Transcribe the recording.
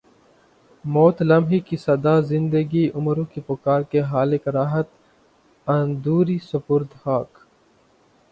موت لمحے کی صدا زندگی عمروں کی پکار کے خالق راحت اندوری سپرد خاک